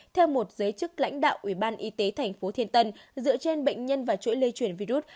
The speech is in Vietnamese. theo một giới chức lãnh đạo ủy ban y tế thành phố thiên tân dựa trên bệnh nhân và chuỗi lây chuyển virus